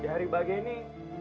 dari bagian ini